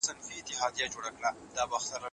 کوچني اسټروېډونه هم د پام وړ دي.